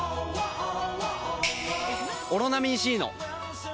「オロナミン Ｃ」の！